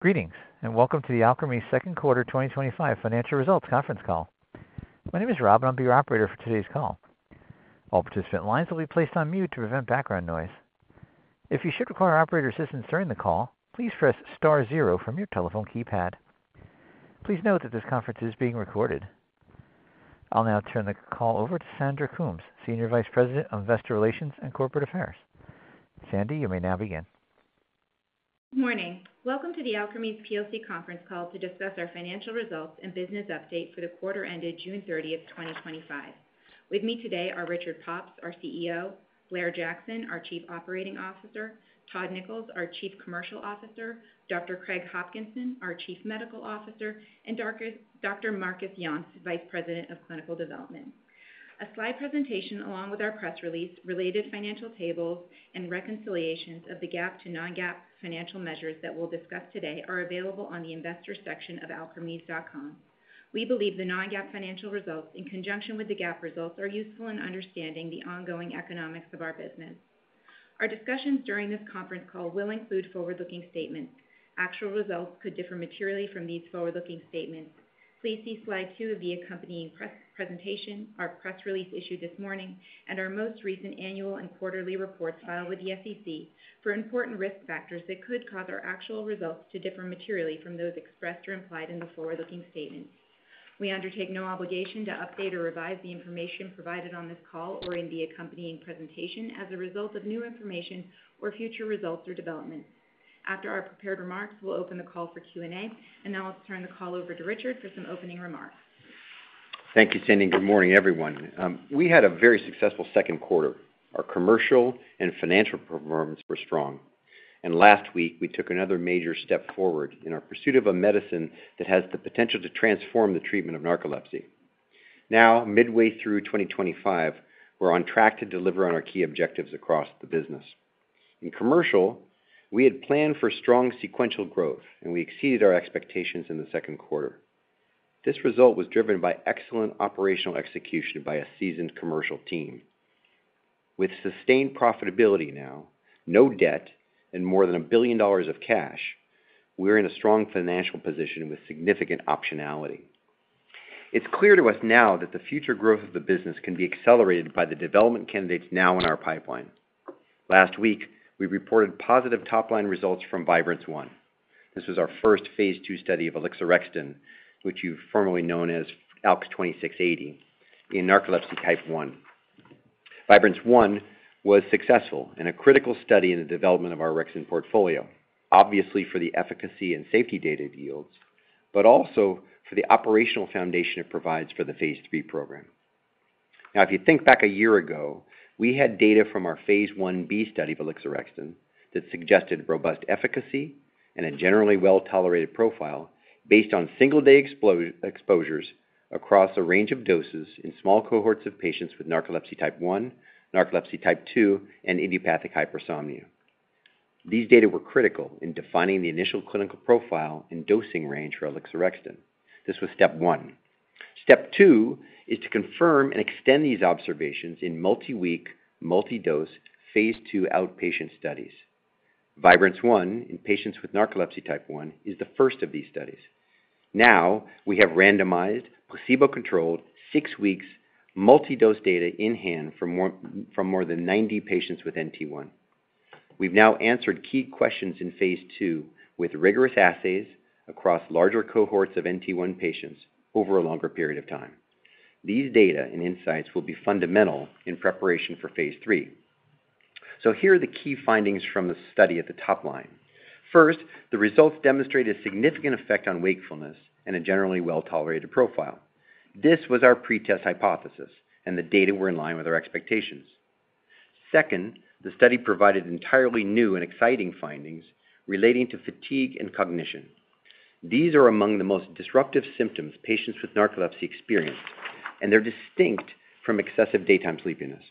Greetings and welcome to the Alkermes Second Quarter 2025 Financial Results Conference Call. My name is Rob and I'll be your operator. For today's call, all participant lines will be placed on mute to prevent background noise. If you should require operator assistance during the call, please press Star zero from your telephone keypad. Please note that this conference is being recorded. I'll now turn the call over to Sandra Coombs, Senior Vice President of Investor Relations and Corporate Affairs. Sandy, you may now begin. Good morning. Welcome to the Alkermes plc conference call to discuss our financial results and business update for the quarter ended June 30, 2025. With me today are Richard Pops, our CEO, Blair Jackson, our Chief Operating Officer, Todd Nichols, our Chief Commercial Officer, Dr. Craig Hopkinson, our Chief Medical Officer, and Dr. Marcus Jontz, Vice President of Clinical Development. A slide presentation along with our press release, related financial tables, and reconciliations of the GAAP to non-GAAP financial measures that we'll discuss today are available on the investors section of alkermes.com. We believe the non-GAAP financial results in conjunction with the GAAP results are useful in understanding the ongoing economics of our business. Our discussions during this conference call will include forward-looking statements. Actual results could differ materially from these forward-looking statements. Please see slide 2 of the accompanying presentation, our press release issued this morning, and our most recent annual and quarterly reports filed with the SEC for important risk factors that could cause our actual results to differ materially from those expressed or implied in the forward-looking statements. We undertake no obligation to update or revise the information provided on this call or in the accompanying presentation as a result of new information or future results or developments. After our prepared remarks, we'll open the call for Q&A. Now I'll turn the call over to Richard for some opening remarks. Thank you, Sandy, and good morning everyone. We had a very successful second quarter. Our commercial and financial performance were strong, and last week we took another major step forward in our pursuit of a medicine that has the potential to transform the treatment of narcolepsy. Now, midway through 2025, we're on track to deliver on our key objectives across the business. In commercial, we had planned for strong sequential growth, and we exceeded our expectations in the second quarter. This result was driven by excellent operational execution by a seasoned commercial team, with sustained profitability. Now, no debt and more than $1 billion of cash, we're in a strong financial position with significant optionality. It's clear to us now that the future growth of the business can be accelerated by the development candidates now in our pipeline. Last week, we reported positive top-line results from Vibrance-1. This was our first 2 study of Alixorexton, which you formerly knew as ALK 2680, in narcolepsy type 1. Vibrance-1 was successful and a critical study in the development of our orexin portfolio, obviously for the efficacy and safety data it yields, but also for the operational foundation it provides for the Phase 3 program. Now, if you think back a year ago, we had data from our Phase 1b study, Alixorexton, that suggested robust efficacy and a generally well-tolerated profile based on single-day exposures across a range of doses in small cohorts of patients with narcolepsy type 1, narcolepsy type 2, and idiopathic hypersomnia. These data were critical in defining the initial clinical profile and dosing range for Alixorexton. This was step one. Step two is to confirm and extend these observations in multi-week, multi-dose Phase 2 outpatient studies. Vibrance-1 in patients with narcolepsy type 1 is the first of these studies. Now we have randomized, placebo-controlled, 6-week, multi-dose data in hand from more than 90 patients with NT1. We've now answered key questions in Phase 2 with rigorous assays across larger cohorts of NT1 patients over a longer period of time. These data and insights will be fundamental in preparation for Phase 3. Here are the key findings from the study at the top line. First, the results demonstrate a significant effect on wakefulness and a generally well-tolerated profile. This was our pre-test hypothesis, and the data were in line with our expectations. Second, the study provided entirely new and exciting findings relating to fatigue and cognition. These are among the most disruptive symptoms patients with narcolepsy experience, and they're distinct from excessive daytime sleepiness.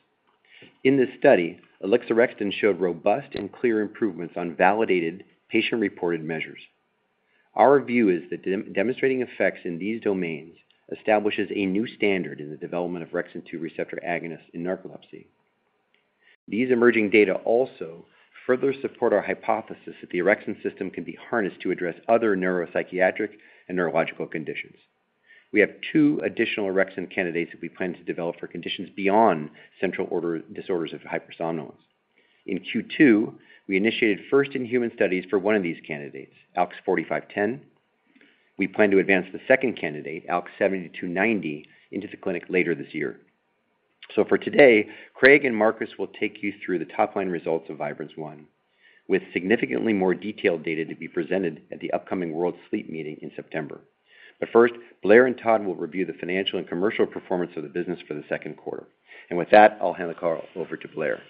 In this study, Alixorexton showed robust and clear improvements on validated patient-reported measures. Our view is that demonstrating effects in these domains establishes a new standard in orexin 2 receptor agonist in narcolepsy. these emerging data also further support our hypothesis that the orexin system can be harnessed to address other neuropsychiatric and neurological conditions. We have two additional orexin candidates that we plan to develop for conditions beyond central order disorders of hypersomnolence. In Q2, we initiated first-in-human studies for one of these candidates, ALKS 4510. We plan to advance the second candidate, ALKS 7290, into the clinic later this year. Craig and Marcus will take you through the top-line results of Vibrance-1 with significantly more detailed data to be presented at the upcoming World Sleep Meeting in September. First, Blair and Todd will review the financial and commercial performance of the business for the second quarter, and with that, I'll hand the call over to Blair.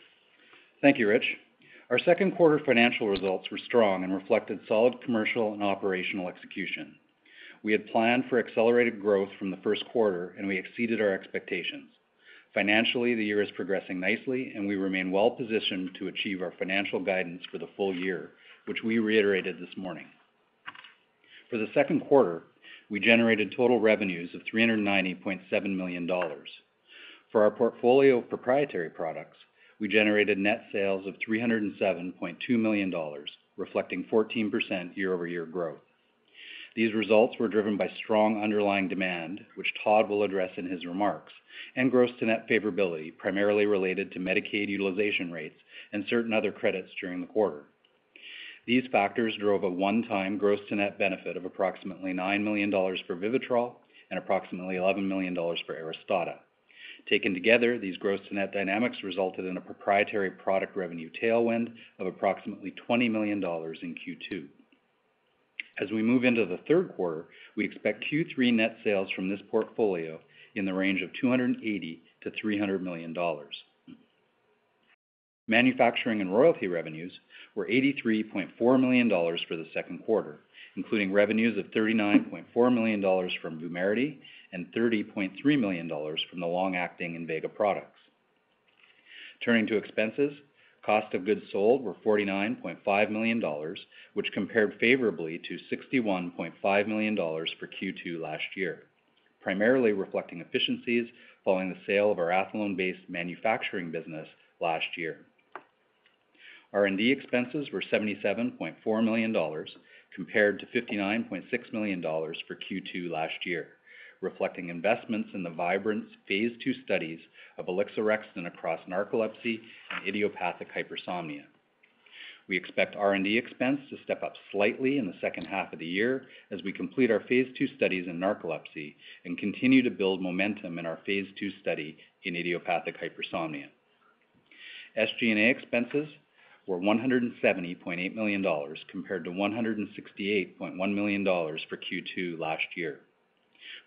Thank you, Rich. Our second quarter financial results were strong and reflected solid commercial and operational execution. We had planned for accelerated growth from the first quarter, and we exceeded our expectations. Financially, the year is progressing nicely, and we remain well positioned to achieve our financial guidance for the full year, which we reiterated this morning. For the second quarter, we generated total revenues of $390.7 million. For our portfolio of proprietary products, we. Generated net sales of $307.2 million, reflecting 14% year-over-year growth. These results were driven by strong underlying demand, which Todd will address in his remarks, and gross-to-net favorability primarily related to Medicaid utilization rates and certain other credits during the quarter. These factors drove a one-time gross-to-net benefit of approximately $9 million for VIVITROL and approximately $11 million for ARISTADA. Taken together, these gross-to-net dynamics resulted in a proprietary product revenue tailwind of approximately $20 million in Q2. As we move into the third quarter, we expect Q3 net sales from this portfolio in the range of $280 to $300 million. Manufacturing and royalty revenues were $83.4 million for the second quarter, including revenues of $39.4 million from VUMERITY and $30.3 million from the long-acting INVEGA products. Turning to expenses, cost of goods sold were $49.5 million, which compared favorably to $61.5 million for Q2 last year, primarily reflecting efficiencies following the sale of our Athlone-based manufacturing business last year. R&D expenses were $77.4 million compared to $59.6 million for Q2 last year, reflecting investments in the Vibrance-1 Phase 2 studies of Alixorexton across narcolepsy and idiopathic hypersomnia. We expect R&D expense to step up slightly in the second half of the year as we complete our Phase 2 studies in narcolepsy and continue to build momentum in our Phase 2 study in idiopathic hypersomnia. SGA expenses were $170.8 million compared to $168.1 million for Q2 last year.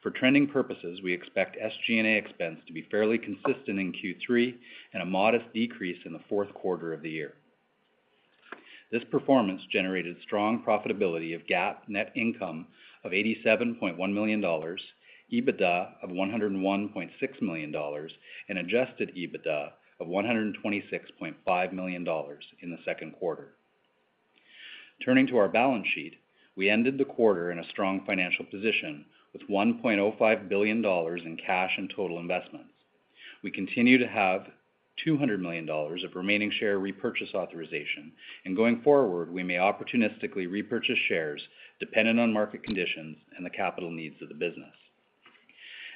For trending purposes, we expect SGA expense to be fairly consistent in Q3 and a modest decrease in the fourth quarter of the year. This performance generated strong profitability of GAAP net income of $87.1 million, EBITDA of $101.6 million, and adjusted EBITDA of $126.5 million in the second quarter. Turning to our balance sheet, we ended the quarter in a strong financial position with $1.05 billion in cash and total investments. We continue to have $200 million of remaining share repurchase authorization, and going forward we may opportunistically repurchase shares dependent on market conditions and the capital needs of the business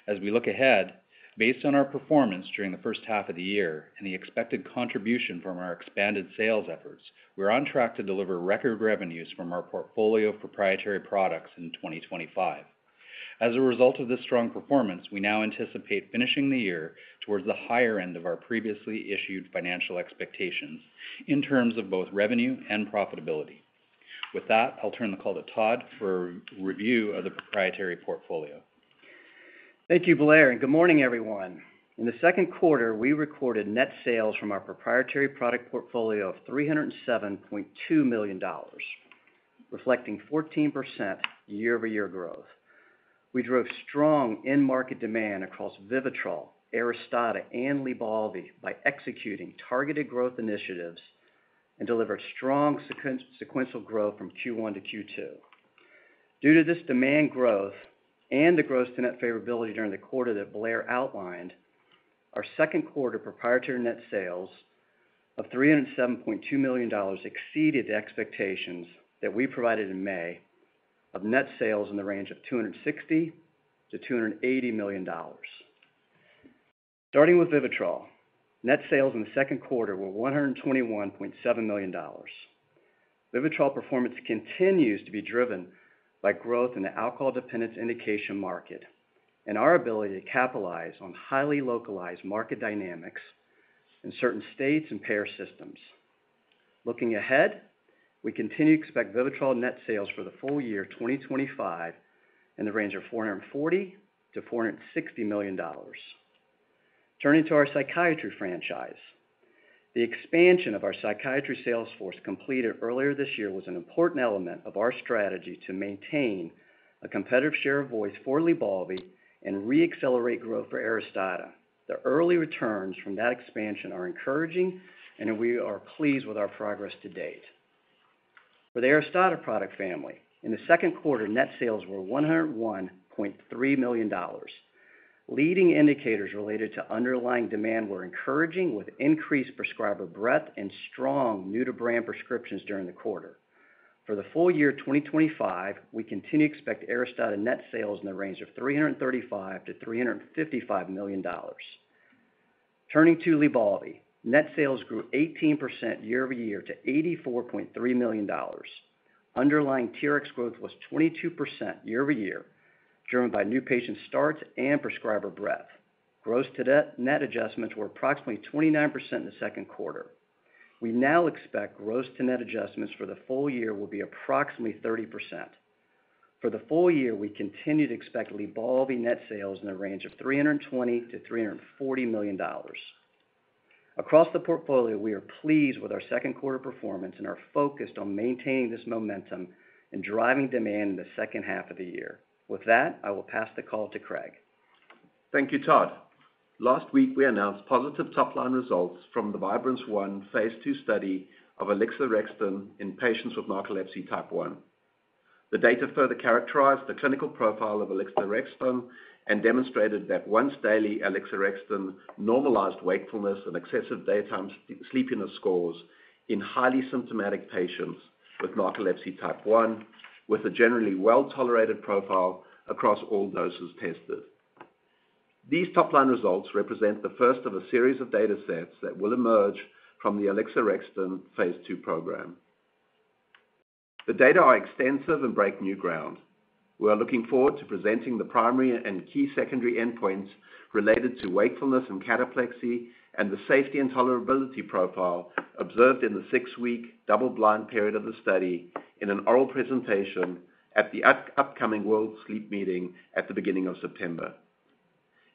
as we look ahead. Based on our performance during the first half of the year and the expected contribution from our expanded sales efforts, we're on track to deliver record revenues from our portfolio of proprietary products in 2025. As a result of this strong performance, we now anticipate finishing the year towards the higher end of our previously issued financial expectations in terms of both revenue and profitability. With that, I'll turn the call to Todd for a review of the proprietary portfolio. Thank you, Blair, and good morning, everyone. In the second quarter, we recorded net sales from our proprietary product portfolio of $307.2 million, reflecting 14% year-over-year growth. We drove strong end market demand across VIVITROL, ARISTADA, and LYBALVI by executing targeted growth initiatives and delivered strong sequential growth. From Q1 to Q2. Due to this demand growth and the gross-to-net favorability during the quarter that Blair outlined, our second quarter proprietary net sales of $307.2 million exceeded the expectations that we provided in May of net sales in the range of $260 to $280 million. Starting with VIVITROL, net sales in the second quarter were $121.7 million. VIVITROL performance continues to be driven by growth in the alcohol dependence indication market and our ability to capitalize on highly localized market dynamics in certain states and payer systems. Looking ahead, we continue to expect VIVITROL net sales for the full year 2025 in the range of $440 to $460 million. Turning to our Psychiatry franchise, the expansion of our Psychiatry sales force completed earlier this year was an important element of our strategy to maintain a competitive share of voice for LYBALVI and reaccelerate growth for ARISTADA. The early returns from that expansion are encouraging and we are pleased with our progress to date for the ARISTADA product family. In the second quarter, net sales were $101.3 million. Leading indicators related to underlying demand were encouraging with increased prescriber breadth and strong new-to-brand prescriptions during the quarter. For the full year 2025, we continue to expect ARISTADA net sales in the range of $335 to $350 million. Turning to LYBALVI, net sales grew 18% year over year to $84.3 million. Underlying TRX growth was 22% year over year driven by new patient starts and prescriber breadth. Gross-to-net adjustments were approximately 29% in the second quarter. We now expect gross-to-net adjustments for the full year will be approximately 30%. For the full year, we continue to expect LYBALVI net sales in the range of $320 to $340 million across the portfolio. We are pleased with our second quarter performance and are focused on maintaining this momentum and driving demand in the second. Half of the year. With that, I will pass the call to Craig. Thank you, Todd. Last week we announced positive top line results from the Vibrance-1 Phase 2 study of Alixorexton in patients with narcolepsy type 1. The data further characterized the clinical profile of Alixorexton and demonstrated that once daily Alixorexton normalized wakefulness and excessive daytime sleepiness scores in highly symptomatic patients with narcolepsy type 1, with a generally well tolerated profile across all doses tested. These top line results represent the first of a series of data sets that will emerge from the Alixorexton Phase 2 program. The data are extensive and break new ground. We are looking forward to presenting the primary and key secondary endpoints related to wakefulness and cataplexy and the safety and tolerability profile observed in the six week double blind period of the study in an oral presentation at the upcoming World Sleep Meeting at the beginning of September.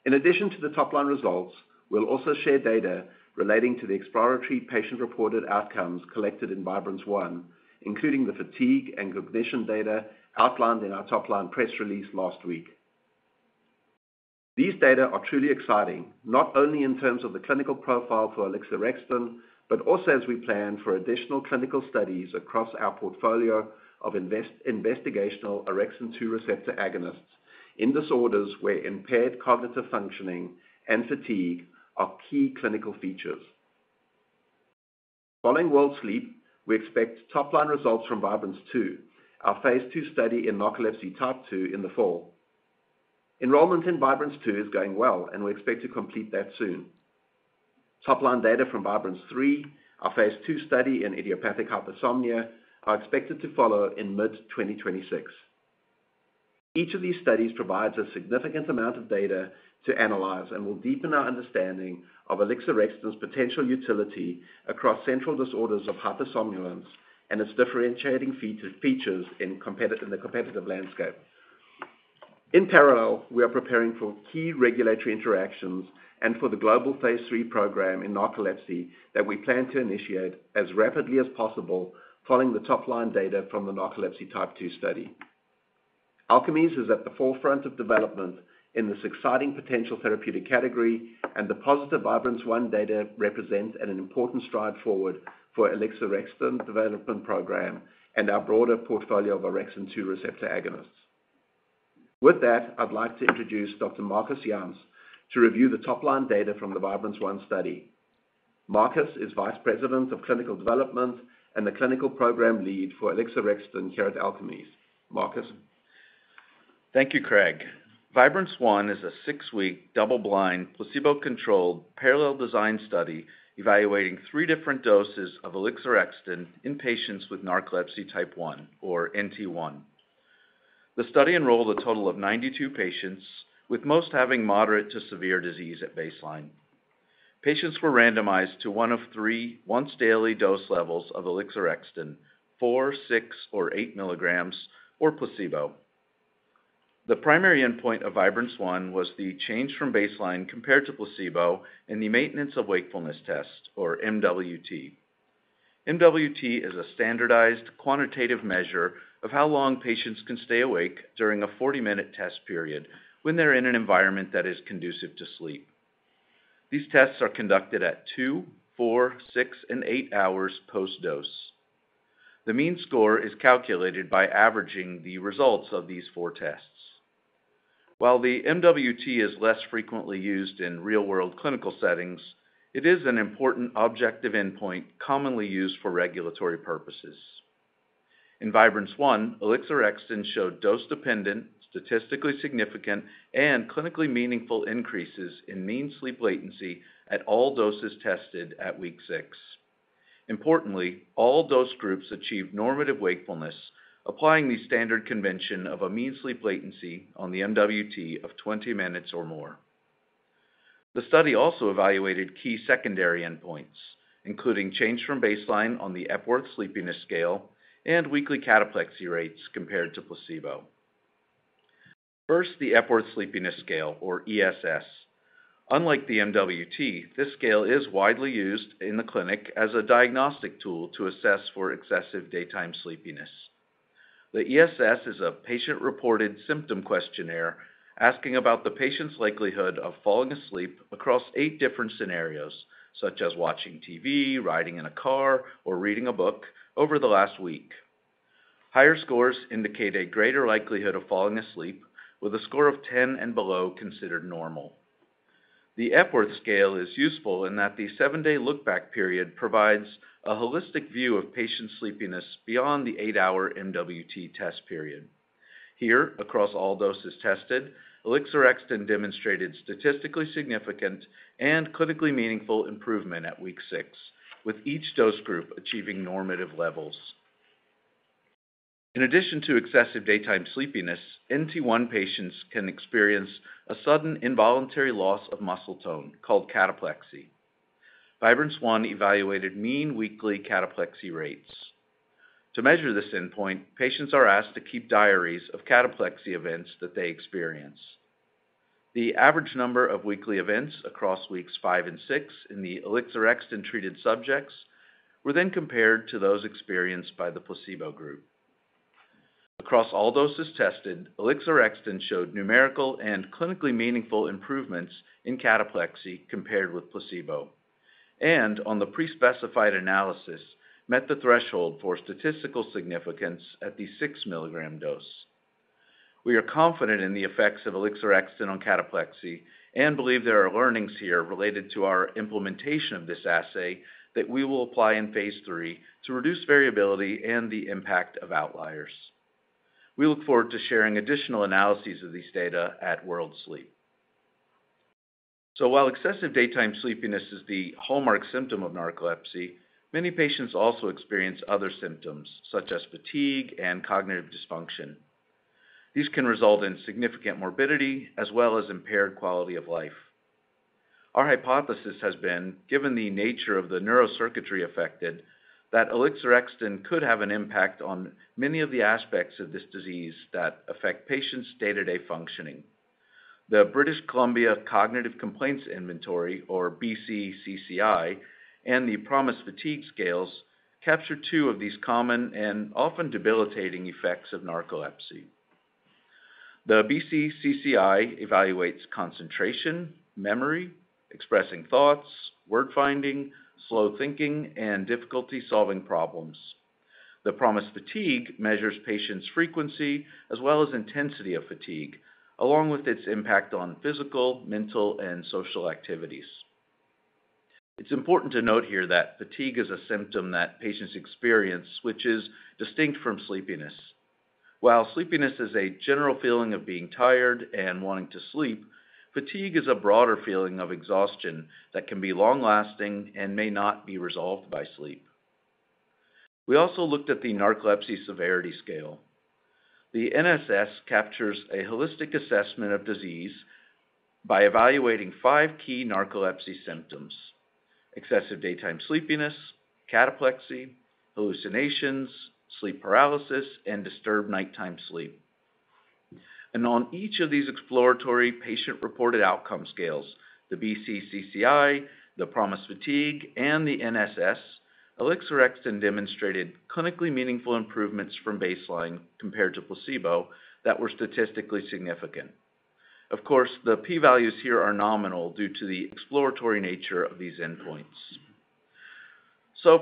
In addition to the top line results, we'll also share data relating to the exploratory patient reported outcomes collected in Vibrance-1, including the fatigue and cognition data outlined in our top line press release last week. These data are truly exciting not only in terms of the clinical profile for Alixorexton, but also as we plan for additional clinical studies across our orexin 2 receptor agonist in disorders where impaired cognitive functioning and fatigue are key clinical features. Following World Sleep, we expect top line results from Vibrance-2, our Phase 2 study in narcolepsy type 2, in the fall. Enrollment in Vibrance-2 is going well and we expect to complete that soon. Top line data from Vibrance-3, our Phase 2 study in idiopathic hypersomnia, are expected to follow in mid-2026. Each of these studies provides a significant amount of data to analyze and will deepen our understanding of Alixorexton's potential utility across central disorders of hypersomnolence and its differentiating features in the competitive landscape. In parallel, we are preparing for key regulatory interactions and for the global Phase 3 program in narcolepsy that we plan to initiate as rapidly as possible following the top line data from the narcolepsy type 2 study. Alkermes is at the forefront of development in this exciting potential therapeutic category and the positive Vibrance-1 data represent an important stride forward for the Alixorexton development program and our orexin 2 receptor agonist. with that, i'd like to introduce Dr. Marcus Jontz to review the top line data from the Vibrance-1 study. Marcus is Vice President of Clinical Development and the clinical program lead for Alixorexton here at Alkermes. Marcus, Thank you. Craig, Vibrance-1 is a six-week, double-blind, placebo-controlled, parallel design study evaluating three different doses of Alixorexton in patients with narcolepsy type 1 or NT1. The study enrolled a total of 92 patients, with most having moderate to severe disease at baseline. Patients were randomized to one of three once-daily dose levels of Alixorexton, 4, 6, or 8 milligrams, or placebo. The primary endpoint of Vibrance-1 was the change from baseline compared to placebo in the Maintenance of Wakefulness Test, or MWT. MWT is a standardized, quantitative measure of how long patients can stay awake during a 40-minute test period when they're in an environment that is conducive to sleep. These tests are conducted at 2, 4, 6, and 8 hours post-dose. The mean score is calculated by averaging the results of these four tests. While the MWT is less frequently used in real-world clinical settings, it is an important objective endpoint commonly used for regulatory purposes. In Vibrance-1, Alixorexton showed dose-dependent, statistically significant, and clinically meaningful increases in mean sleep latency at all doses tested at week six. Importantly, all dose groups achieved normative wakefulness, applying the standard convention of a mean sleep latency on the MWT of 20 minutes or more. The study also evaluated key secondary endpoints, including change from baseline on the Epworth Sleepiness Scale and weekly cataplexy rates compared to placebo. First, the Epworth Sleepiness Scale, or ESS. Unlike the MWT, this scale is widely used in the clinic as a diagnostic tool to assess for excessive daytime sleepiness. The ESS is a patient-reported symptom questionnaire asking about the patient's likelihood of falling asleep across eight different scenarios, such as watching TV, riding in a car, or reading a book over the last week. Higher scores indicate a greater likelihood of falling asleep, with a score of 10 and below considered normal. The Epworth Scale is useful in that the seven-day look-back period provides a holistic view of patient sleepiness beyond the 8-hour MWT test period. Here, across all doses tested, Alixorexton demonstrated statistically significant and clinically meaningful improvement at week six, with each dose group achieving normative levels. In addition to excessive daytime sleepiness, NT1 patients can experience a sudden, involuntary loss of muscle tone called cataplexy. Vibrance-1 evaluated mean weekly cataplexy rates. To measure this endpoint, patients are asked to keep diaries of cataplexy events that they experience. The average number of weekly events across weeks five and six in the Alixorexton-treated subjects were then compared to those experienced by the placebo group. Across all doses tested, Alixorexton showed numerical and clinically meaningful improvements in cataplexy compared with placebo, and on the pre-specified analysis met the threshold for statistical significance at the 6 milligram dose. We are confident in the effects of Alixorexton on cataplexy and believe there are learnings here related to our implementation of this assay that we will apply in Phase 3 to reduce variability and the impact of outliers. We look forward to sharing additional analyses of these data at World Sleep. While excessive daytime sleepiness is the hallmark symptom of narcolepsy, many patients also experience other symptoms such as fatigue and cognitive dysfunction. These can result in significant morbidity as well as impaired quality of life. Our hypothesis has been, given the nature of the neurocircuitry affected, that Alixorexton could have an impact on many of the aspects of this disease that affect patients' day-to-day functioning. The British Columbia Cognitive Complaints Inventory, or BCCCI, and the PROMIS Fatigue Scales capture two of these common and often debilitating effects of narcolepsy. The BCCCI evaluates concentration, memory, expressing thoughts, word finding, slow thinking, and difficulty solving problems. The PROMIS Fatigue measures patients' frequency as well as intensity of fatigue along with its impact on physical, mental, and social activities. It's important to note here that fatigue is a symptom that patients experience which is distinct from sleepiness. While sleepiness is a general feeling of being tired and wanting to sleep, fatigue is a broader feeling of exhaustion that can be long lasting and may not be resolved by sleep. We also looked at the Narcolepsy Severity Scale. The NSS captures a holistic assessment of disease by evaluating five key narcolepsy symptoms: excessive daytime sleepiness, cataplexy, hallucinations, sleep paralysis, and disturbed nighttime sleep. On each of these exploratory patient-reported outcome scales—the BCCCI, the PROMIS Fatigue, and the NSS—Alixorexton demonstrated clinically meaningful improvements from baseline compared to placebo that were statistically significant. Of course, the P values here are nominal due to the exploratory nature of these endpoints.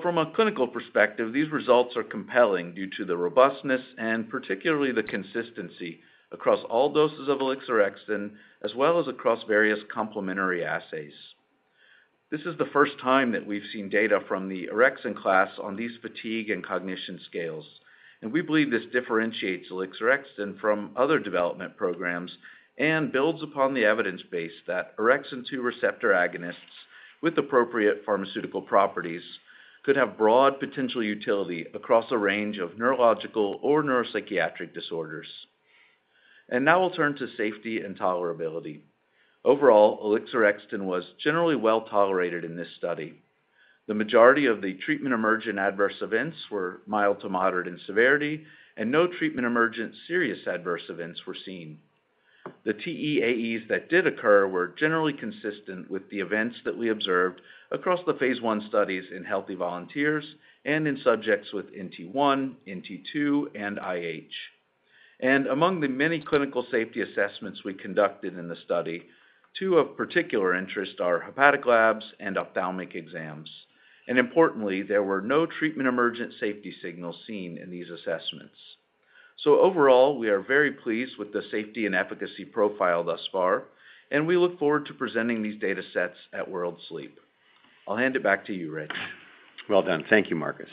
From a clinical perspective, these results are compelling due to the robustness and particularly the consistency across all doses of Alixorexton as well as across various complementary assays. This is the first time that we've seen data from the orexin class on these fatigue and cognition scales, and we believe this differentiates Alixorexton from other development programs and builds upon the orexin 2 receptor agonist with appropriate pharmaceutical properties could have broad potential utility across a range of neurological or neuropsychiatric disorders. Now we'll turn to safety and tolerability. Overall, Alixorexton was generally well tolerated in this study. The majority of the treatment emergent adverse events were mild to moderate in severity, and no treatment emergent serious adverse events were seen. The TEAEs that did occur were generally consistent with the events that we observed across the Phase 1 studies in healthy volunteers and in subjects with NT1, NT2, and IH. Among the many clinical safety assessments we conducted in the study, two of particular interest are hepatic labs and ophthalmic exams, and importantly, there were no treatment emergent safety signals seen in these assessments. Overall, we are very pleased with the safety and efficacy profile thus far, and we look forward to presenting these data sets at World Sleep. I'll hand it back to you, Rich. Well done. Thank you, Marcus.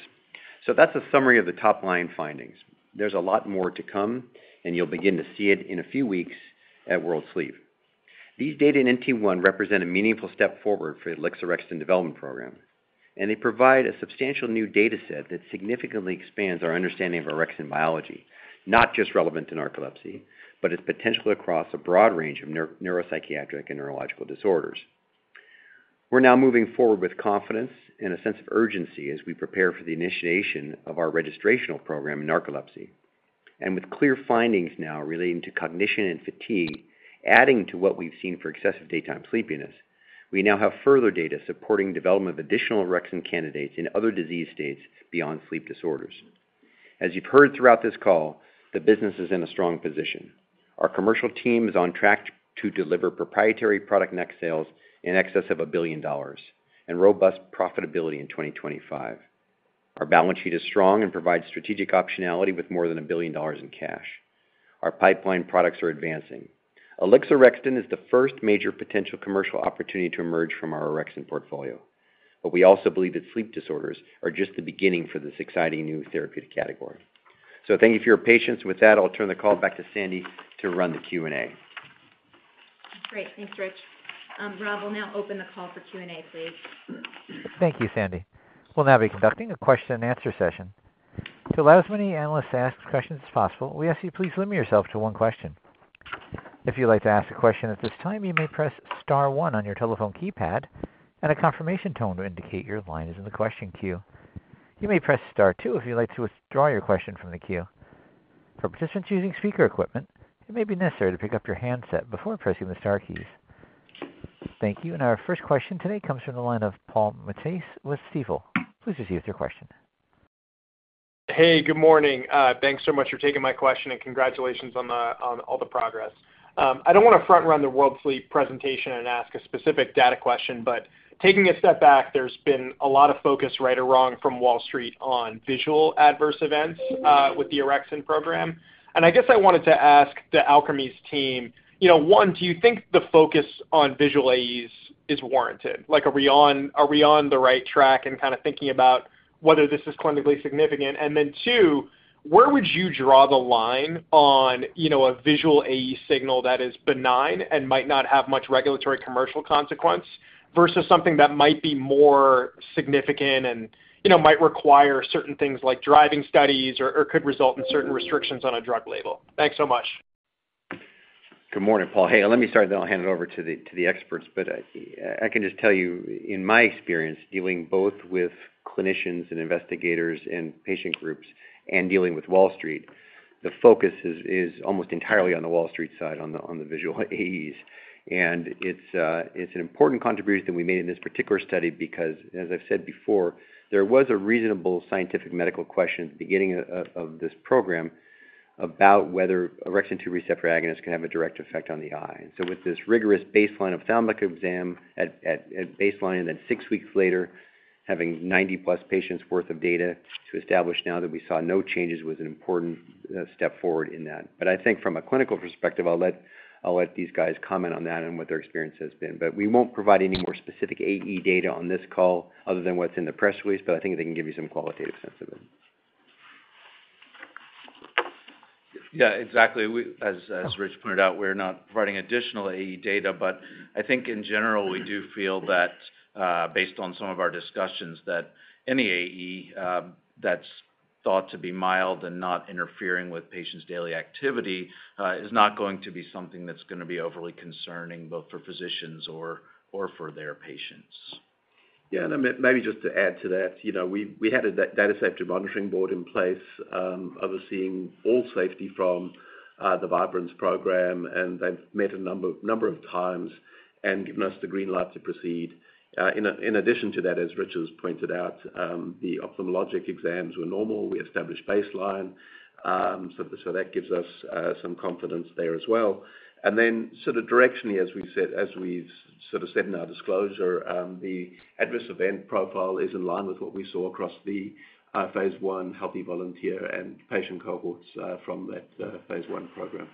That's a summary of the top-line findings. There's a lot more to come, and you'll begin to see it in a few weeks at World Sleep. These data in narcolepsy type 1 (NT1) represent a meaningful step forward for the Alixorexton development program, and they provide a substantial new data set that significantly expands our understanding of orexin biology, not just relevant to narcolepsy but its potential across a broad range of neuropsychiatric and neurological disorders. We're now moving forward with confidence and a sense of urgency as we prepare for the initiation of our registrational program in narcolepsy, and with clear findings now relating to cognition and fatigue. Adding to what we've seen for excessive daytime sleepiness, we now have further data supporting development of additional orexin candidates in other disease states beyond sleep disorders. As you've heard throughout this call, the business is in a strong position. Our commercial team is on track to deliver proprietary product net sales in excess of $1 billion and robust profitability in 2025. Our balance sheet is strong and provides strategic optionality. With more than $1 billion in cash, our pipeline products are advancing. Alixorexton is the first major potential commercial opportunity to emerge from our orexin portfolio, but we also believe that sleep disorders are just the beginning for this exciting new therapeutic category. Thank you for your patience with that. I'll turn the call back to Sandy to run the Q&A. Great. Thanks, Rich. Rob will now open the call for Q&A, please. Thank you, Sandy. We'll now be conducting a question and answer session to allow as many analysts to ask questions as possible. We ask you to please limit yourself to one question. If you'd like to ask a question at this time, you may press star one on your telephone keypad and a confirmation tone will indicate your line is in the question queue. You may press star two if you'd like to withdraw your question from the queue. For participants using speaker equipment, it may be necessary to pick up your handset before pressing the star keys. Thank you. Our first question today comes from the line of Paul Matteis with Stifel. Please proceed with your question. Hey, good morning. Thanks so much for taking my question and congratulations on all the progress. I don't want to front run the World Sleep presentation and ask a specific. Data question, but taking a step back. There's been a lot of focus, right. Or wrong from Wall Street on visual. Adverse events with the orexin program. I wanted to ask. The Alkermes team, what do you think. The focus on visual AEs is warranted? Are we on the right track in kind of thinking about whether this is clinically significant? Where would you draw? The line on a visual AE signal that is benign and might not have. Much regulatory commercial consequence versus something that might be more significant and might require certain things like driving studies or could result in certain restrictions on a drug label? Thanks so much. Good morning, Paul. Hey, let me start, then I'll hand it over to the experts. I can just tell you, in my experience dealing both with clinicians and investigators and patient groups and dealing with Wall Street, the focus is almost entirely on the Wall Street side on the visual AEs. It's an important contribution that we made in this particular study because, as I've said before, there was a reasonable scientific medical question at the beginning of this orexin 2 receptor agonist can have a direct effect on the eye. With this rigorous baseline ophthalmic examination at baseline and then six weeks later, having 90 plus patients' worth of data to establish now that we saw no changes was an important step forward in that. I think from a clinical perspective, I'll let these guys comment on that and what their experience has been. We won't provide any more specific AE data on this call other than what's in the press release. I think they can give you some qualitative sense of it. Yeah, exactly. As Rich pointed out, we're not additional AE data. I think in general we do feel that based on some of our discussions, that any AE that's thought to be mild and not interfering with patients' daily activity is not going to be something that's going to be overly concerning both for physicians or for their patients. Yeah, maybe just to add to that, we had a data safety monitoring board in place overseeing all safety from the Vibrance-1 program. They've met a number of times and given us the green light to proceed. In addition to that, as Richard Pops pointed out, the ophthalmologic exams were normal. We established baseline, so that gives us some confidence there as well. Sort of directionally, as we said in our disclosure, the adverse event profile is in line with what we saw across the Phase 1 healthy volunteer and patient cohorts from that Phase 1 program.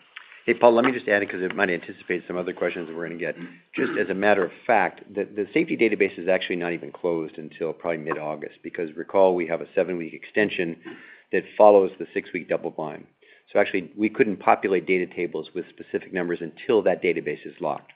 Hey Paul, let me just add it because it might anticipate some other questions we're going to get. Just as a matter of fact, the safety database is actually not even closed until probably mid August because recall, we have a seven week extension that follows the six week double-blind. Actually, we couldn't populate data tables with specific numbers until that database is locked.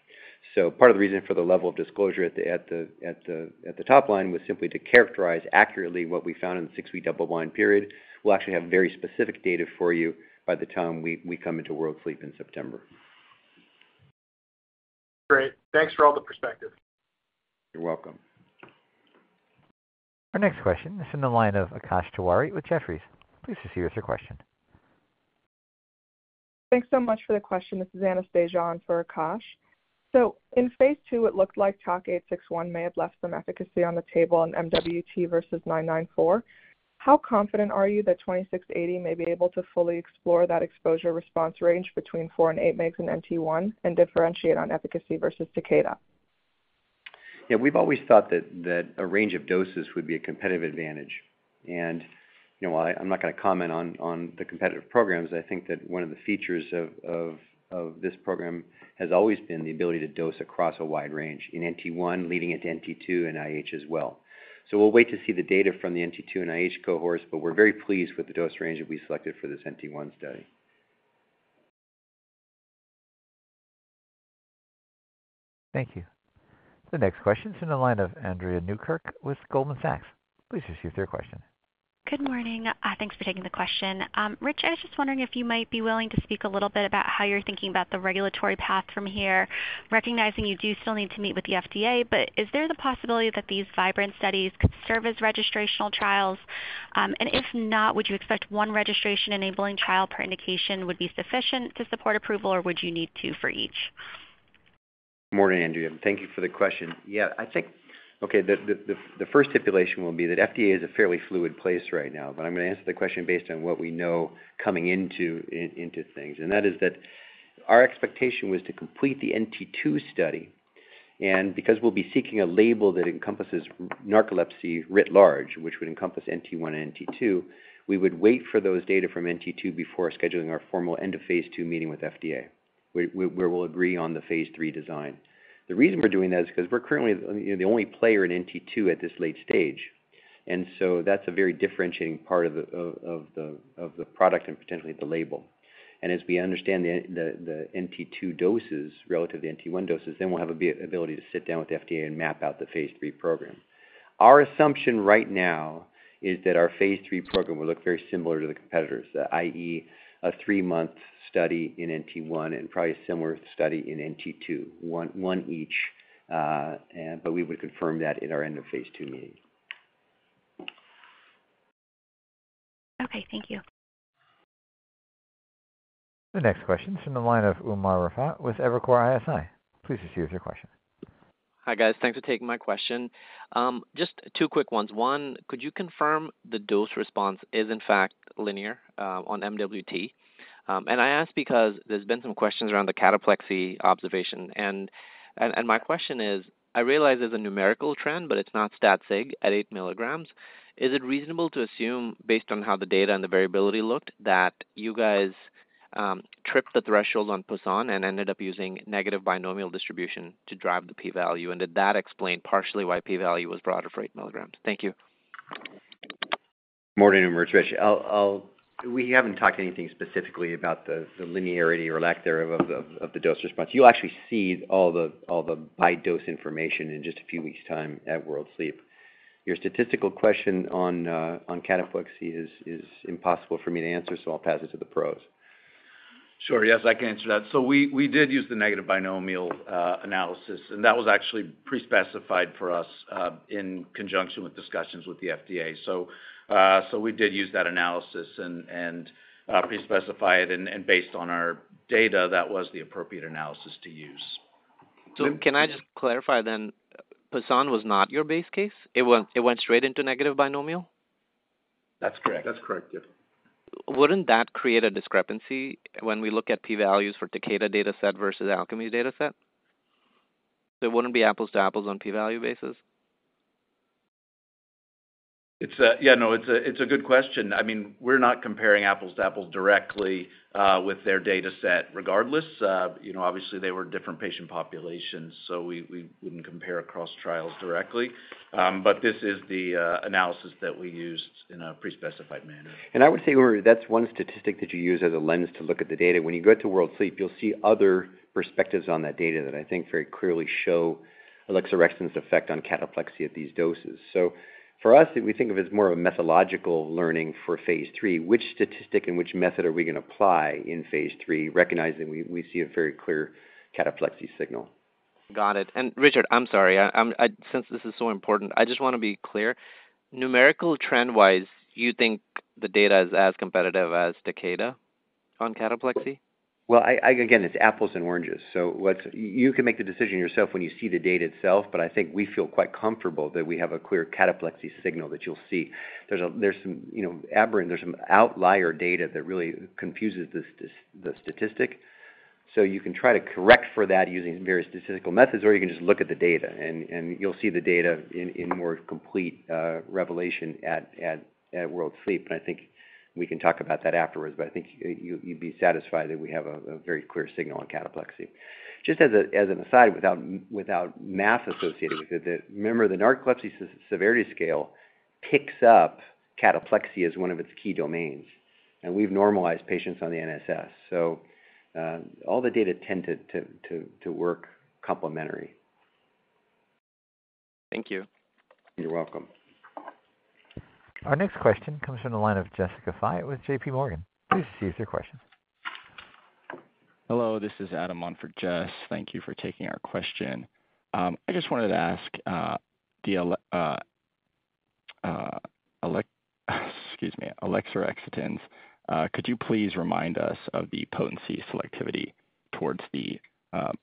Part of the reason for the level of disclosure at the top line was simply to characterize accurately what we found in the six week double-blind period. We'll actually have very specific data for you by the time we come into World Sleep in September. Great. Thanks for all the perspective. You're welcome. Our next question is on the line of Akash Tiwari with Jefferies. Please hear your question. Thanks so much for the question. This is Anastasia on for Akash. In Phase 2, it looked like ALK 861 may have left some efficacy on the table in MWT versus 994. How confident are you that Alixorexton may. Be able to fully explore that exposure. Response range between 4 and 8 mg in NT1 and differentiate on efficacy versus Takeda? We've always thought that a range of doses would be a competitive advantage. While I'm not going to comment on the competitive programs, I think that one of the features of this program has always been the ability to dose across a wide range in narcolepsy type 1 leading into narcolepsy type 2 and idiopathic hypersomnia as well. We'll wait to see the data from the narcolepsy type 2 and idiopathic hypersomnia cohorts, but we're very pleased with the dose range that we selected for this narcolepsy type 1 study. Thank you. The next question is on the line of Andrea Newkirk with Goldman Sachs. Please receive their question. Good morning. Thanks for taking the question. Rich, I was just wondering if you might be willing to speak a little bit about how you're thinking about the regulatory path from here, recognizing you do still need to meet with the FDA. Is there the possibility that these Vibrance studies could still act as registrational trials? If not, would you expect one registration-enabling trial per indication would be sufficient to support approval, or would you need two for each? Andrea, thank you for the question. I think the first stipulation will be that FDA is a fairly fluid place right now. I'm going to answer the question based on what we know coming into things. That is that our expectation was to complete the NT2 study. Because we'll be seeking a label that encompasses narcolepsy writ large, which would encompass NT1 and NT2, we would wait for those data from NT2 before scheduling our formal end of Phase two meeting with FDA where we'll agree on the Phase 3 design. The reason we're doing that is because we're currently the only player in NT2 at this late stage. That is a very differentiating part of the product and potentially the label. As we understand the NT2 doses relative to NT1 doses, then we'll have the ability to sit down with the FDA and map out the Phase 3 program. Our assumption right now is that our Phase 3 program will look very similar to the competitors. That is a three month study in NT1 and probably a similar study in NT2, one each. We would confirm that in our end of Phase II meeting. Okay, thank you. The next question is from the line of Umar Raffat with Evercore ISI. Please receive your question. Hi guys, thanks for taking my question. Just two quick ones. One, could you confirm the dose response is in fact linear on MWT? I ask because there's been some questions around the cataplexy observation and my question is, I realize there's a numerical trend but it's not stat sig at 8 milligrams. Is it reasonable to assume based on how the data and the variability looked that you guys tripped the threshold on Poisson and ended up using negative binomial. Distribution to drive the P value? Did that explain partially why the P value was broader for 8 milligrams? Thank you. Morning. Merrich, we haven't talked anything specifically about the linearity or lack thereof of the dose response. You'll actually see all the by dose information in just a few weeks' time at World Sleep. Your statistical question on cataplexy is impossible for me to answer, so I'll pass it to the pros. Sure. Yes, I can answer that. We did use the negative binomial analysis, and that was actually pre-specified for us in conjunction with discussions with the FDA. We did use that analysis and pre-specified, and based on our data, that was the appropriate analysis to use. Can I just clarify then, Poisson was not your base case? It went straight into negative binomial. That's correct. That's correct. Wouldn't that create a discrepancy? When we look at P values for Takeda data set versus Alkermes data set, there wouldn't be apples to apples on a P value basis? Yeah, no, it's a good question. I mean we're not comparing apples to apples directly with their data set regardless. Obviously, they were different patient populations, so we wouldn't compare across trials directly. This is the analysis that we used in a pre-specified manner. I would say that's one statistic that you use as a lens to look at the data. When you go to World Sleep, you'll see other perspectives on that data that I think very clearly show Alixorexton's effect on cataplexy at these doses. For us, we think of it as more of a methodological learning for Phase 3: which statistic and which method are we going to apply in Phase 3, recognizing we see a very clear cataplexy signal. Got it. Richard, I'm sorry, since this is so important, I just want to be clear. Numerical, trend wise, you think the— the data as competitive as Takeda on cataplexy? Again, it's apples and oranges. You can make the decision yourself when you see the data itself. I think we feel quite comfortable that we have a clear cataplexy signal. You'll see there's some aberrant, there's some outlier data that really confuses this statistic. You can try to correct for that using various statistical methods, or you can just look at the data and you'll see the data in more complete revelation at World Sleep. I think we can talk about that afterwards. I think you'd be satisfied that we have a very clear signal on cataplexy. Just as an aside, without math associated with it, remember, the Narcolepsy Severity Scale picks up cataplexy as one of its key domains and we've normalized patients on the NSS so all the data tended to work complementary. Thank you. You're welcome. Our next question comes from the line of Jessica Rege with J.P. Morgan. Please receive your question. Hello, this is Adam Monfort. Jessica, thank you for taking our question. I just wanted to ask the. Alixorexton, could you please remind us of the potency selectivity towards the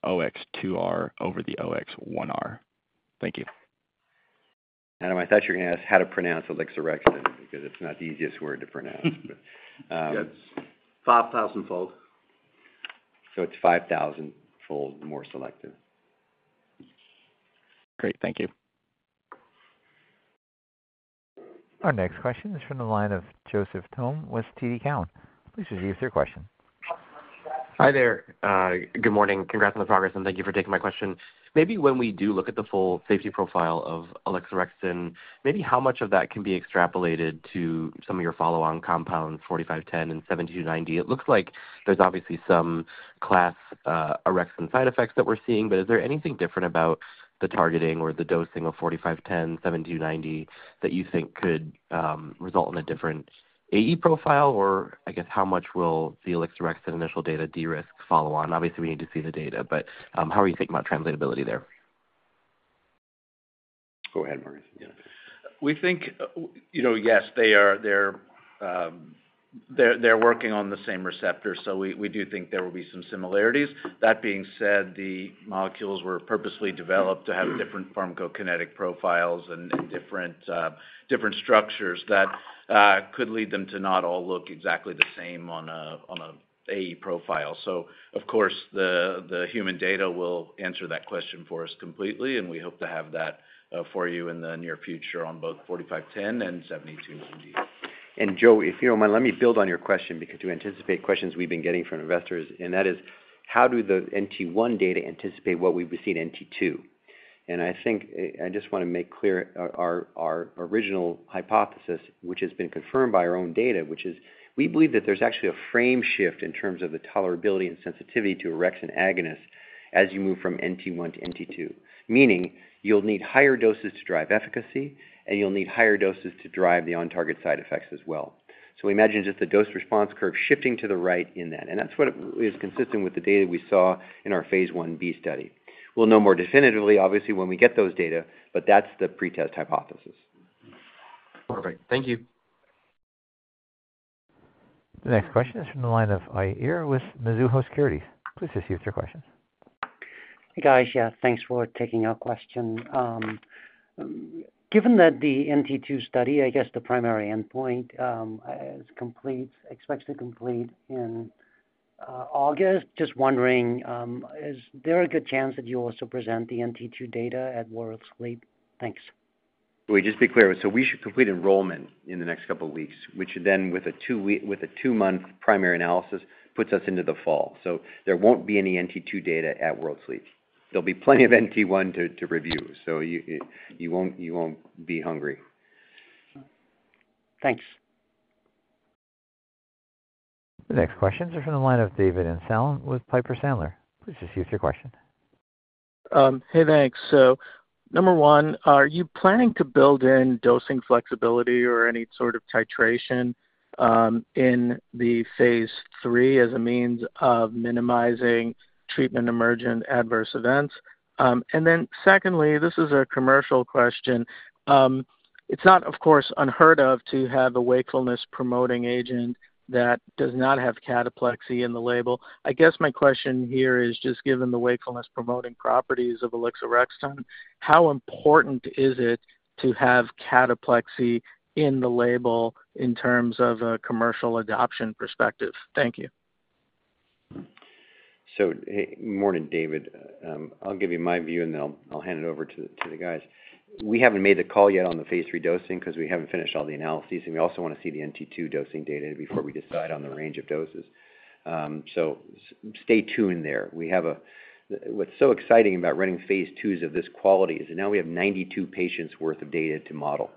OX2R over the OX1R? Thank you. Adam, I thought you were going to ask how to pronounce Alixorexton because it's not the easiest word to pronounce. 5,000 fold. It is 5,000-fold more selective. Great, thank you. Our next question is from the line of Joseph Thome with TD Cowen. Please review your question. Hi there. Good morning. Congrats on the progress and thank you for taking my question. Maybe when we do look at the full safety profile of Alixorexton, maybe how much of that can be extrapolated to some of your follow-on compounds 4510 and 7290? It looks like there's obviously some class orexin side effects that we're seeing. Is there anything different about the targeting or the dosing of 4510, 7290 that you think could result in a different AE profile or I guess, how much will the Alixorexton initial data de-risk follow-on? Obviously we need to see the data, but how are you thinking about translatability there? Go ahead, Marcus. We think, yes, they're working on the same receptor. We do think there will be some similarities. That being said, the molecules were purposely developed to have different pharmacokinetic profiles and different structures that could lead them to not all look exactly the same on an AE profile. Of course, the human data will answer that question for us completely, and we hope to have that for you in the near future on both 4510 and 7290. Joe, if you don't mind, let me build on your question because we anticipate questions we've been getting from investors and that is how do the NT1 data anticipate what we've received? NT2 and I think I just want to make clear our original hypothesis which has been confirmed by our own data, which is we believe that there's actually a frame shift in terms of the tolerability and sensitivity to orexin agonists as you move from NT1 to NT2, meaning you'll need higher doses to drive efficacy and you'll need higher doses to drive the on target side effects as well. We imagine just the dose response curve shifting to the right in that and that's what is consistent with the data we saw in our Phase 1b study. We'll know more definitively obviously when we get those data. That's the pretest hypothesis. Perfect, thank you. The next question is from the line of Iier with Mizuho Securities. Please issue with your questions. Hey guys. Yeah, thanks for taking our question. Given that the NT2 study, I guess the primary endpoint expects to complete in August. Just wondering, is there a good chance that you also present the NT2 data at World Sleep? Thanks. Just to be clear, we should complete enrollment in the next couple weeks, which then with a two month primary analysis puts us into the fall. There won't be any NT2 data at World Sleep. There'll be plenty of NT1 to review, so you won't be hungry. Thanks. The next questions are from the line of David Amsellem with Piper Sandler. Please ask your question. Thank you. Number one, are you planning to build in dosing flexibility or any sort of titration in the Phase 3 as a means of minimizing treatment emergent adverse events? Secondly, this is a commercial question. It's not of course unheard of to have a wakefulness promoting agent that does not have cataplexy in the label. I guess my question here is just given the wakefulness promoting properties of Alixorexton, how important is it to have cataplexy in the label in terms of a commercial adoption perspective. Thank you. Morning, David. I'll give you my view and then I'll hand it over to the guys. We haven't made the call yet on the Phase 3 dosing because we haven't finished all the analyses and we also want to see the NT2 dosing data before we decide on the range of doses. Stay tuned there. What's so exciting about running Phase 2s of this quality is now we have 92 patients worth of data to model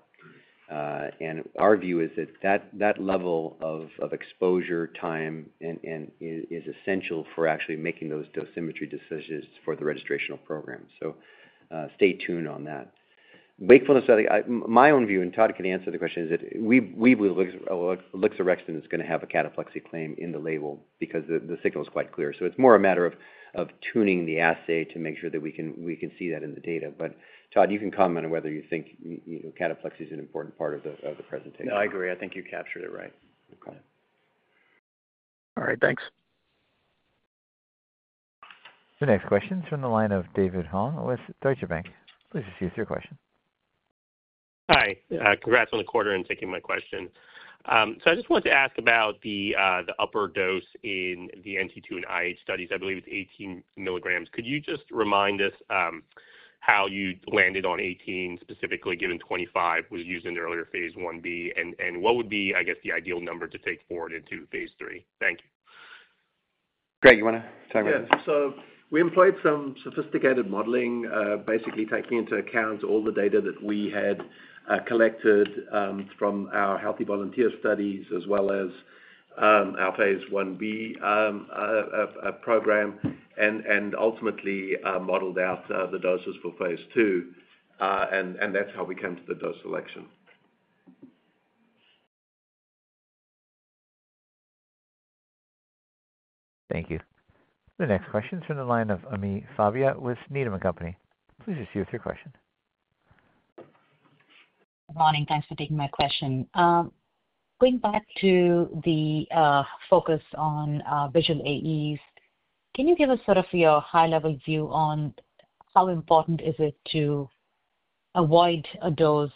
and our view is that that level of exposure time is essential for actually making those dosimetry decisions for the registrational program. Stay tuned on that. Wakefulness, my own view and Todd can answer the question, is that we believe Alixorexton is going to have a cataplexy claim in the label because the signal is quite clear. It's more a matter of tuning the assay to make sure that we can see that in the data. Todd, you can comment on whether you think cataplexy is an important part of the presentation. No, I agree. I think you captured it right. All right, thanks. The next question is from the line of David Hong with Deutsche Bank. Please proceed with your question. Hi. Congrats on the quarter in taking my question. I just wanted to ask about the upper dose in the NT2 and IH studies. I believe it's 18 milligrams. Could you just remind us how you landed on 18 specifically given 25 was used in the earlier Phase 1B, and what would be, I guess, the ideal number to take forward into Phase 3? Thank you, Craig. You want to time it? Yeah. We employed some sophisticated modeling, basically taking into account all the data that we had collected from our healthy volunteer studies as well as our Phase 1B program and ultimately modeled out the doses for Phase 2, and that's how we. Came to the dose selection. Thank you. The next question is from the line of Ami Fadia with Needham & Company. Please receive your question. Good morning. Thanks for taking my question. Going back to the focus on visual AEs, can you give us sort of your high-level view on how important it is to avoid a dose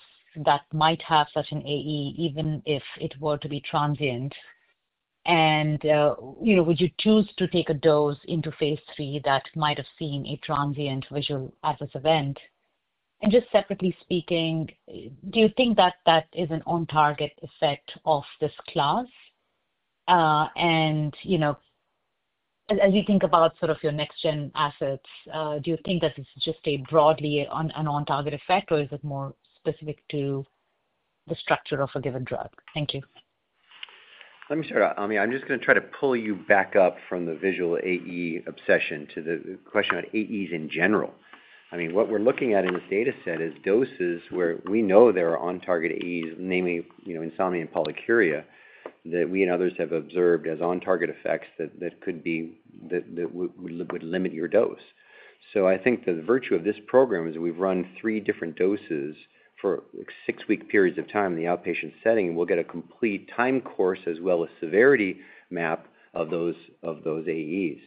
that might have such an AE, even if it were to be transient? Would you choose to take a dose into Phase 3 that might have seen a transient visual adverse event? Just separately speaking, do you think that that is an on-target effect of this class? As you think about sort of your next-gen assets, do you think that it's just broadly an on-target effect or is it more specific to the structure of a given drug? Thank you. Let me start off, Ami. I'm just going to try to pull. You back up from the visual AE obsession to the question about AEs in general. I mean, what we're looking at in this data set is doses where we know there are on-target AEs, namely, you know, insomnia and polyuria that we and others have observed as on-target effects that could be, that would limit your dose. I think the virtue of this program is we've run three different doses for six-week periods of time in the outpatient setting and we'll get a complete time course as well as severity map of those AEs.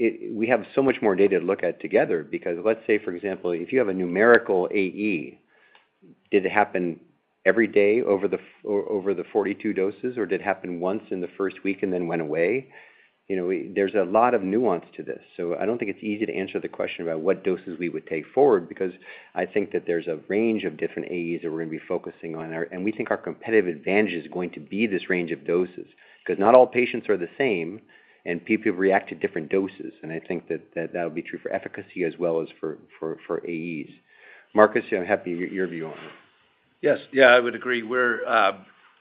We have so much more data to look at together. For example, if you have a numerical AE, did it happen every day over the 42 doses or did it happen once in the first week and then went away? There's a lot of nuance to this. I don't think it's easy to answer the question about what doses we would take forward because I think that there's a range of different AEs that we're going to be focusing on and we think our competitive advantage is going to be this range of doses because not all patients are the same and people react to different doses. I think that will be true for efficacy as well as for AEs. Marcus, I'm happy your view on it. Yes, yeah, I would agree. We're,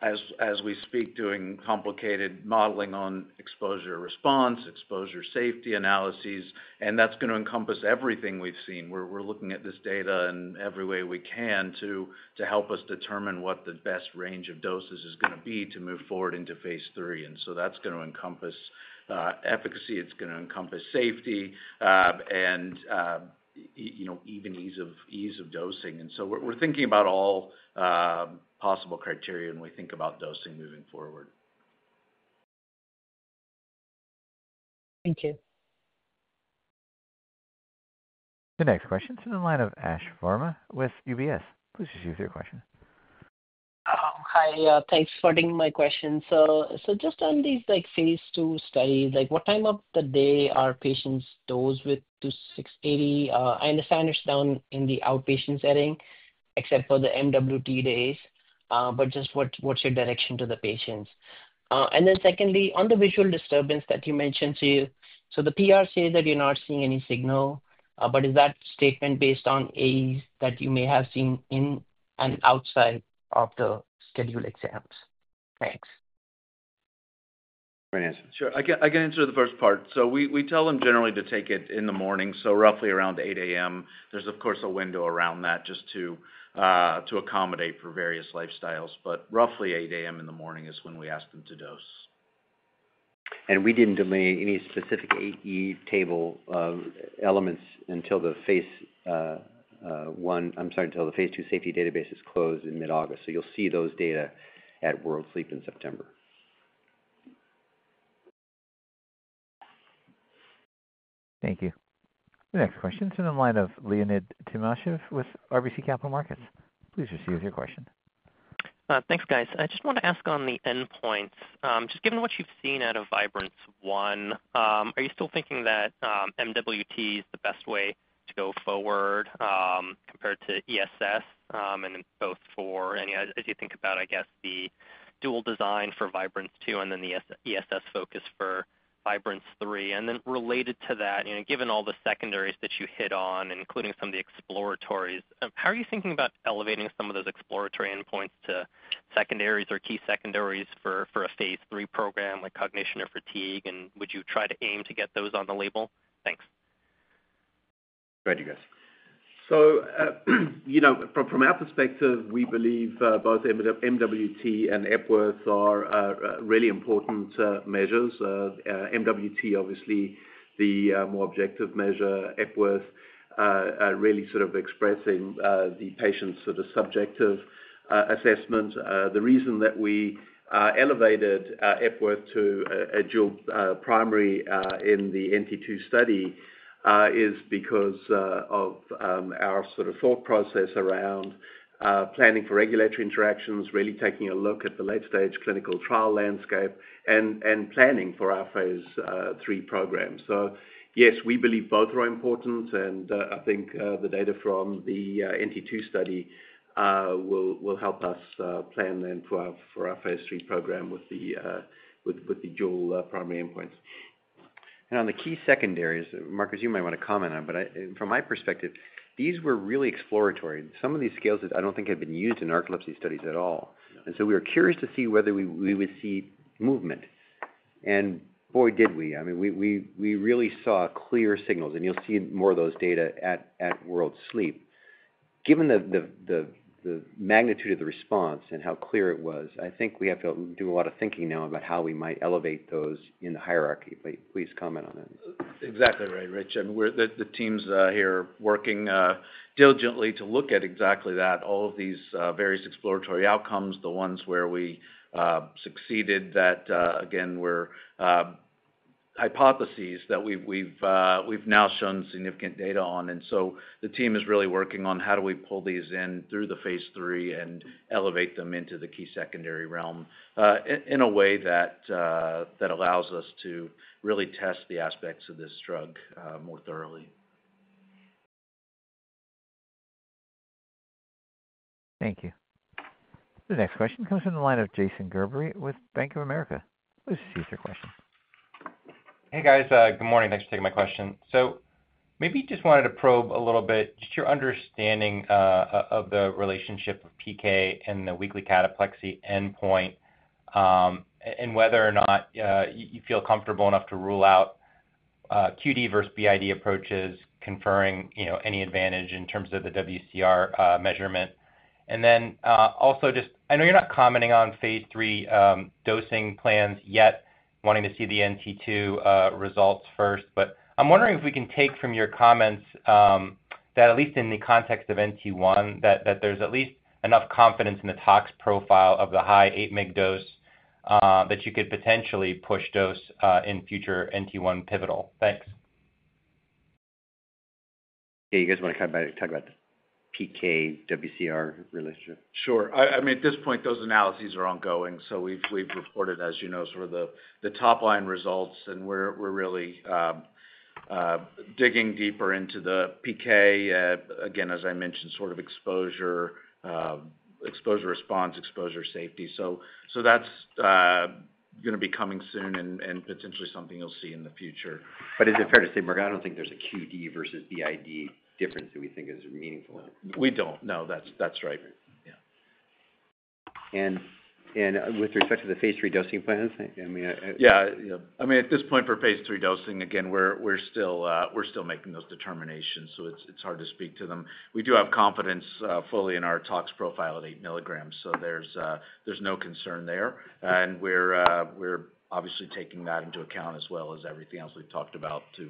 as we speak, doing complicated modeling on exposure response, exposure safety analyses, and that's going to encompass everything we've seen. We're looking at this data in every way we can to help us determine what the best range of doses is going to be to move forward into Phase 3. That's going to encompass efficacy, it's going to encompass safety and even ease of dosing. We're thinking about all possible criteria when we think about dosing moving forward. Thank you. The next question is in the line of Ash Varma with UBS. Please use your question. Hi, thanks for taking my question. Just on these Phase two studies, what time of the day are patients, those with 680, I understand it's done in the outpatient setting except for the MWT days. What's your direction to the patients? Secondly, on the visual disturbance that you mentioned, the PR says that you're not seeing any signal, but is that statement. Based on AES that you may have seen in and outside of the scheduled exams. Thanks. Sure, I can answer the first part. We tell them generally to take it in the morning. Roughly around 8:00 A.M. there's of course a window around that just to accommodate for various lifestyles. Roughly 8:00 A.M. in the morning is when we ask them to dose. We didn't delay any specific AE table elements until the Phase two safety database closed in mid-August. You'll see those data at World Sleep in September. Thank you. The next question is on the line of Leonid Timashev with RBC Capital Markets. Please proceed with your question. Thanks, guys. I just wanted to ask on the. Endpoints, just given what you've seen out of Vibrance-1, are you still thinking that MWT is the best way to go forward compared to essentially both as you think about, I guess, the dual design for Vibrance-2 and then the ESS focus for Vibrance-3? Related to that, given all the secondaries that you hit on, including some of the exploratories, how are you thinking about elevating some of those exploratory endpoints to secondaries or key secondaries for a Phase 3 program like cognition or fatigue? Would you try to aim to get those on the label? Thanks. From our perspective, we believe both MWT and Epworth are really important measures. MWT, obviously the more objective measure; Epworth, really sort of expressing the patient's sort of subjective assessment. The reason that we elevated Epworth to a dual primary in the NT2 study is because of our sort of thought process around planning for regulatory interactions, really taking a look at the late-stage clinical trial landscape and planning for our Phase 3 program. Yes, we believe both are important, and I think the data from the NT2 study will help us plan for our Phase 3 program. The Joule primary endpoints and on the key secondaries. Marcus, you might want to comment on. From my perspective these were really exploratory. Some of these scales I don't think had been used in narcolepsy studies at all. We were curious to see whether we would see movement and boy did we. I mean we really saw clear signals and you'll see more of those data at World Sleep given the magnitude of the response and how clear it was. I think we have to do a lot of thinking now about how we might elevate those in the hierarchy. Please comment on that. Exactly right, Rich.The teams here are working diligently to look at exactly that. All of these various exploratory outcomes, the ones where we succeeded, that again were hypotheses that we've now shown significant data on. The team is really working on how do we pull these in through the Phase 3 and elevate them into this, the key secondary realm in a way that allows us to really test the aspects of this drug more thoroughly. Thank you. The next question comes from the line of Jason Gerberry with Bank of America. Please use your question. Hey guys, good morning. Thanks for taking my question. Maybe just wanted to probe a little bit just your understanding of the relationship of PK and the weekly cataplexy endpoint and whether or not you feel comfortable enough to rule out QD versus BID approaches conferring any advantage in terms of the WCR measurement. I know you're not commenting on Phase 3 dosing plans yet, wanting to see the NT2 results first, but I'm wondering if we can take from your comments that at least in the context of NT1, that there's at least enough confidence in the tox profile of the high 8 mg dose that you could potentially push dose in future NT1 pivotal. Thanks. You guys want to talk about the PK WCR relationship? Sure. At this point those analyses are ongoing. We've reported, as you know, sort of the top line results and we're really digging deeper into the PK again, as I mentioned, sort of exposure, exposure response, exposure safety. That's going to be coming soon and potentially something you'll see in the future. Is it fair to say, Berg, I don't think there's a QD versus BID difference that we think is meaningful. We don't. No, that's right. With respect to the Phase 3 dosing plans. At this point for Phase 3 dosing, again, we're still making those determinations, so it's hard to speak to them. We do have confidence fully in our tox profile at 8 milligrams, so there's no concern there, and we're obviously taking that into account as well as everything else we've talked about to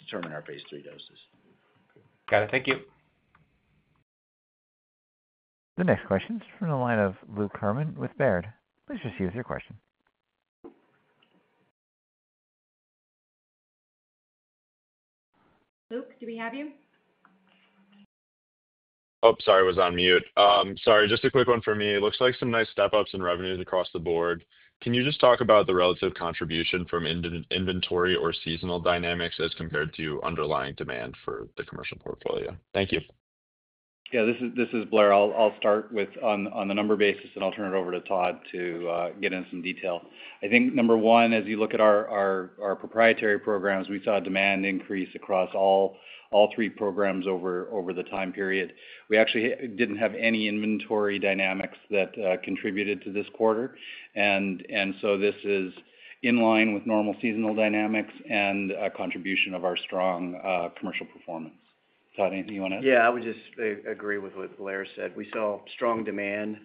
determine our Phase 3 doses. Got it. Thank you. The next question is from the line of Luke Herman with Baird. Please proceed with your question. Luke, do we have you? Sorry, I was on mute. Sorry. Just a quick one for me. Looks like some nice step ups in. Revenues across the board. Can you just talk about the relative contribution from inventory or seasonal dynamics as compared to underlying demand for the commercial portfolio? Thank you. Yeah, this is Blair. I'll start with on the number basis. I'll turn it over to Todd. To get in some detail, I think number one, as you look at our proprietary programs, we saw demand increase across all three programs over the time period. We actually didn't have any inventory dynamics that contributed to this quarter. This is in line with normal seasonal dynamics and a contribution of. Our strong commercial performance. Todd, anything you want to add? Yeah, I would just agree with what Blair Jackson said. We saw strong demand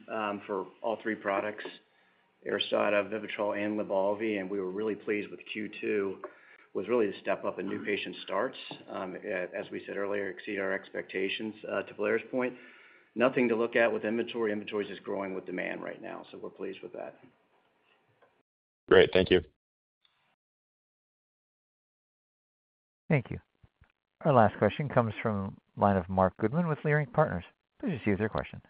for all three products, ARISTADA, VIVITROL, and LYBALVI. We were really pleased with Q2; it was really the step up in new. Patient starts, as we said earlier, exceed. Our expectations, to Blair Jackson's point, nothing to look at with inventory. Inventory is just growing with demand right now. We're pleased with that. Great. Thank you. Thank you. Our last question comes from the line of Marc Goodman with Leerink Partners. Please just use your question.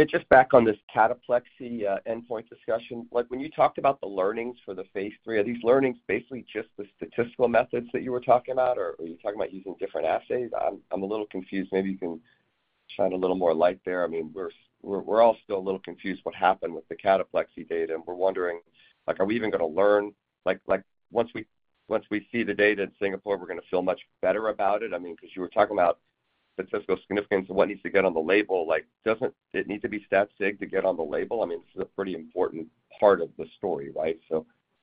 Yeah, just back on this cataplexy endpoint discussion. When you talked about the learnings for the Phase 3, are these learnings basically just the statistical methods that you were talking about or are you talking about using different assays? I'm a little confused. Maybe you can shine a little more light there. I mean, we're all still a little confused what happened with the cataplexy data. We're wondering, are we even going to learn? Once we see the data in Singapore, we're going to feel much better about it. You were talking about statistical significance of what needs to get on the label. Doesn't it need to be stat sig to get on the label? It's a pretty important part of the story, right?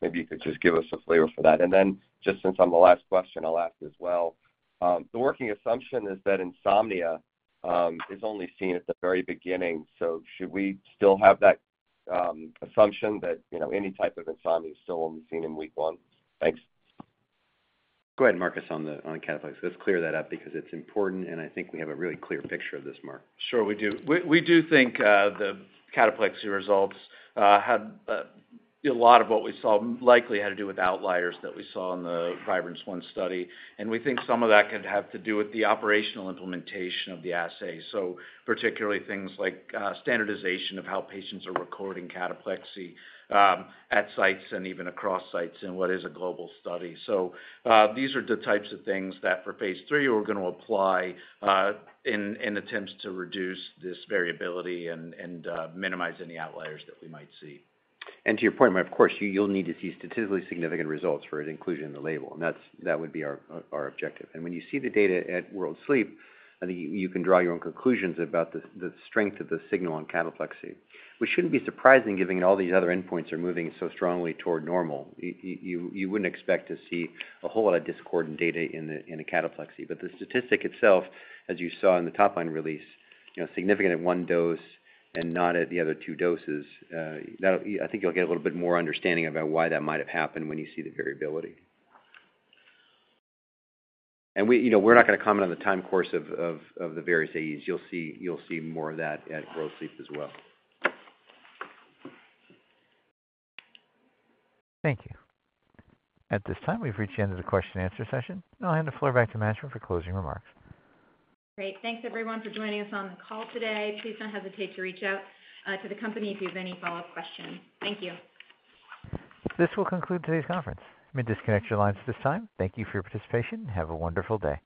Maybe you could just give us a flavor for that and then, since I'm the last question, I'll ask as well. The working assumption is that insomnia is only seen at the very beginning. Should we still have that assumption that any type of insomnia is still only seen in week one? Thanks. Go ahead, Marcus. On the cataplexy, let's clear that up because it's important and I think we have a really clear picture of this, Mark. Sure we do. We do think the cataplexy results had a lot of what we saw likely had to do with outliers that we saw in the Vibrance-1 study. We think some of that could have to do with the operational implementation of the assay, particularly things like standardization of how patients are recording cataplexy at sites and even across sites in what is a global study. These are the types of things that for Phase 3, we're going to apply in attempts to reduce this variability and minimize any outliers that we might see. To your point, of course, you'll need to see statistically significant results for inclusion in the label, and that would be our objective. When you see the data at World Sleep, you can draw your own conclusions about the strength of the signal on cataplexy, which shouldn't be surprising given all these other endpoints are moving so strongly toward normal. You wouldn't expect to see a whole lot of discordant data in cataplexy. The statistic itself, as you saw in the top line release, was significant at one dose and not at the other two doses. I think you'll get a little bit more understanding about why that might have happened when you see the variability. We're not going to comment on the time course of the various AEs. You'll see more of that at World Sleep as well. Thank you. At this time we've reached the end of the question and answer session, and I'll hand the floor back to Richard Pops for closing remarks. Great. Thanks everyone for joining us on the call today. Please don't hesitate to reach out to the company if you have any follow up questions. Thank you. This will conclude today's conference. You may disconnect your lines at this time. Thank you for your participation. Have a wonderful day.